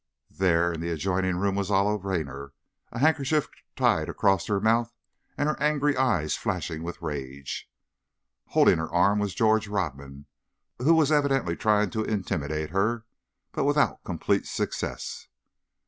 There, in the adjoining room was Olive Raynor, a handkerchief tied across her mouth and her angry eyes flashing with rage. Holding her arm was George Rodman, who was evidently trying to intimidate her, but without complete success.